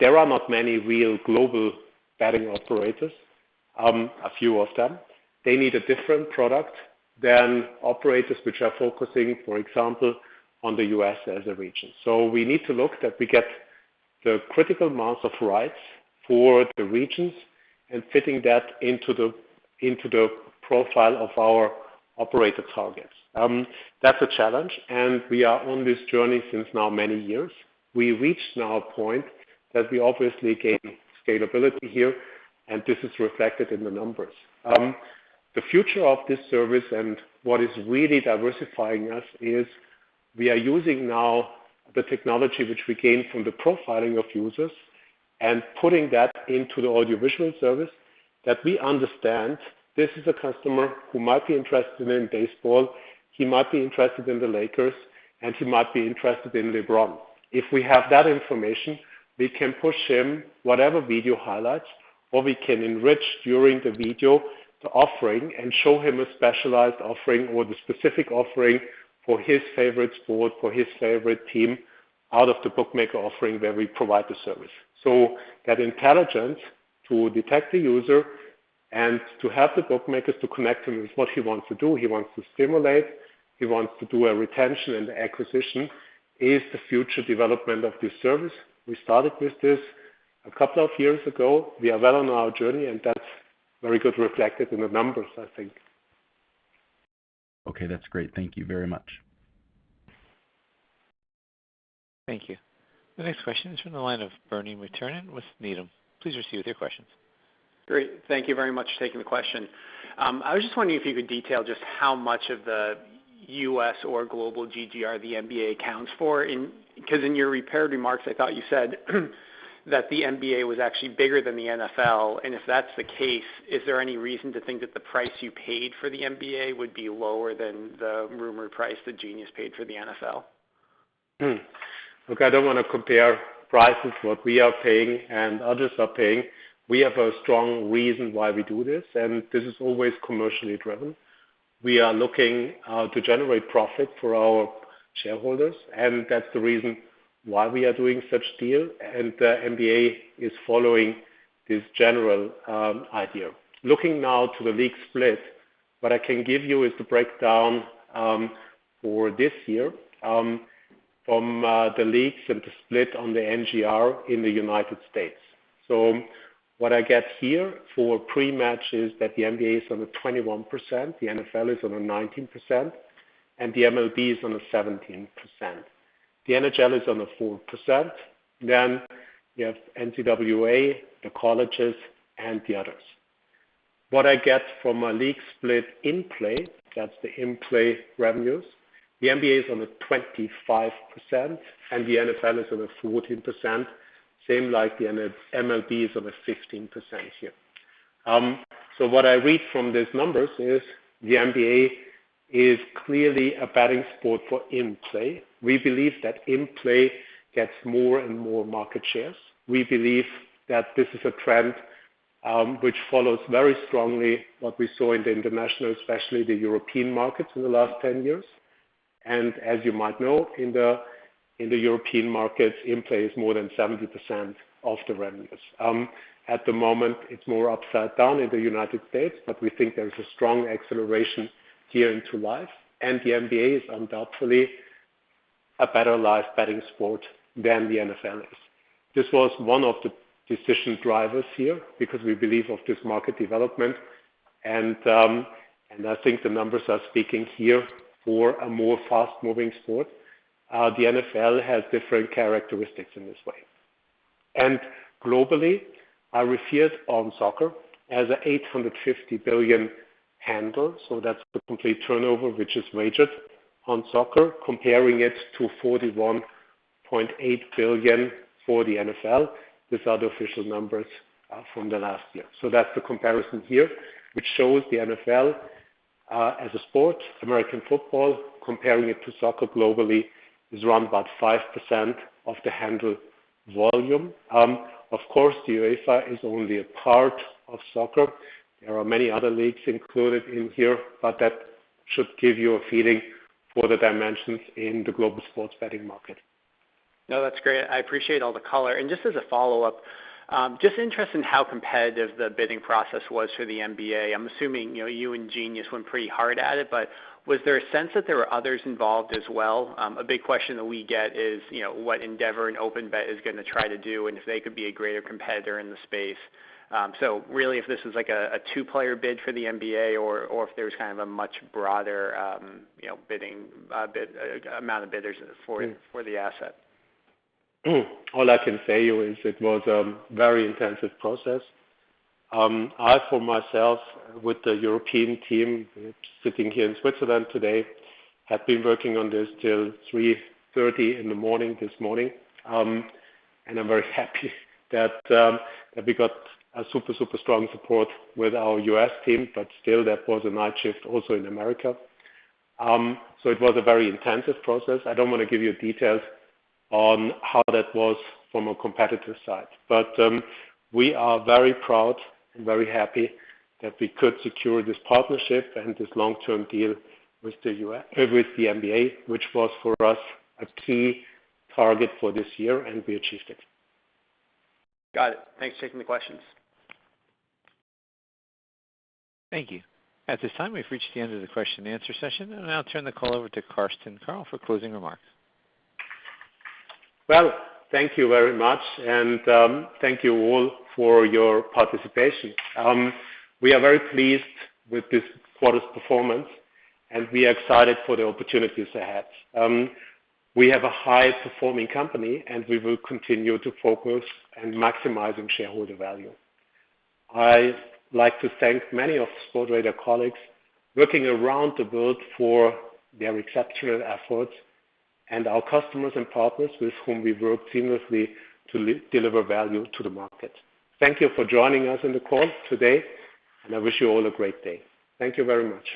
There are not many real global betting operators, a few of them. They need a different product than operators which are focusing, for example, on the U.S. as a region. We need to ensure that we get the critical mass of rights for the regions and fitting that into the profile of our operator targets. That's a challenge, and we are on this journey for many years now. We reached now a point that we obviously gain scalability here, and this is reflected in the numbers. The future of this service and what is really diversifying us is we are using now the technology which we gain from the profiling of users and putting that into the audiovisual service that we understand this is a customer who might be interested in baseball. He might be interested in the Lakers and he might be interested in LeBron. If we have that information, we can push him whatever video highlights or we can enrich during the video the offering and show him a specialized offering or the specific offering for his favorite sport, for his favorite team out of the bookmaker offering where we provide the service. That intelligence to detect the user and to have the bookmakers to connect him with what he wants to do, he wants to stimulate, he wants to do a retention and acquisition, is the future development of this service. We started with this a couple of years ago. We are well on our journey, and that's very well reflected in the numbers, I think. Okay, that's great. Thank you very much. Thank you. The next question is from the line of Bernie McTernan with Needham. Please go ahead with your question. Great. Thank you very much for taking the question. I was just wondering if you could detail just how much of the U.S. or global GGR the NBA accounts for, 'cause in your prepared remarks, I thought you said that the NBA was actually bigger than the NFL. If that's the case, is there any reason to think that the price you paid for the NBA would be lower than the rumored price that Genius paid for the NFL? Look, I don't wanna compare prices, what we are paying and others are paying. We have a strong reason why we do this, and this is always commercially driven. We are looking to generate profit for our shareholders, and that's the reason why we are doing such deal. The NBA is following this general idea. Looking now to the league split, what I can give you is the breakdown for this year from the leagues and the split on the NGR in the United States. What I get here for pre-match is that the NBA is on the 21%, the NFL is on the 19%, and the MLB is on the 17%. The NHL is on the 4%. Then you have NCAA, the colleges and the others. What I get from a league split in-play, that's the in-play revenues. The NBA is on the 25% and the NFL is on the 14%. Same like the MLB is on the 15% here. So what I read from these numbers is the NBA is clearly a betting sport for in-play. We believe that in-play gets more and more market shares. We believe that this is a trend, which follows very strongly what we saw in the international, especially the European markets in the last 10 years. As you might know, in the European markets, in-play is more than 70% of the revenues. At the moment, it's more upside down in the United States, but we think there is a strong acceleration here into live, and the NBA is undoubtedly a better live betting sport than the NFL is. This was one of the decision drivers here because we believe of this market development. I think the numbers are speaking here for a more fast-moving sport. The NFL has different characteristics in this way. Globally, I referred on soccer as an $850 billion handle, so that's the complete turnover which is wagered on soccer, comparing it to $41.8 billion for the NFL. These are the official numbers from the last year. That's the comparison here, which shows the NFL, as a sport, American football, comparing it to soccer globally, is around about 5% of the handle volume. Of course, the UEFA is only a part of soccer. There are many other leagues included in here, but that should give you a feeling for the dimensions in the global sports betting market. No, that's great. I appreciate all the color. Just as a follow-up, just interested in how competitive the bidding process was for the NBA. I'm assuming, you know, you and Genius Sports went pretty hard at it, but was there a sense that there were others involved as well? A big question that we get is, you know, what Endeavor and OpenBet is gonna try to do and if they could be a greater competitor in the space. Really if this is like a two-player bid for the NBA or if there was kind of a much broader, you know, bidding amount of bidders for the- Yeah. For the asset. All I can say to you is it was a very intensive process. I, for myself, with the European team sitting here in Switzerland today, have been working on this till 3:30 A.M. this morning. I'm very happy that we got a super strong support with our U.S. team, but still there was a night shift also in America. It was a very intensive process. I don't wanna give you details on how that was from a competitive side, but we are very proud and very happy that we could secure this partnership and this long-term deal with the NBA, which was for us a key target for this year, and we achieved it. Got it. Thanks for taking the questions. Thank you. At this time, we've reached the end of the question and answer session, and I'll turn the call over to Carsten Koerl for closing remarks. Well, thank you very much, and thank you all for your participation. We are very pleased with this quarter's performance, and we are excited for the opportunities ahead. We have a high-performing company and we will continue to focus on maximizing shareholder value. I like to thank many of Sportradar colleagues working around the world for their exceptional efforts and our customers and partners with whom we work seamlessly to deliver value to the market. Thank you for joining us on the call today, and I wish you all a great day. Thank you very much.